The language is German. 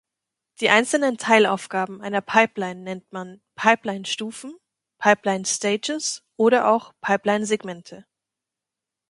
Die einzelnen Teilaufgaben einer Pipeline nennt man "Pipeline-Stufen", "Pipeline-Stages" oder auch "Pipeline-Segmente".